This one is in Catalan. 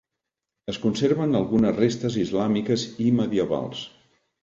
Es conserven algunes restes islàmiques i medievals.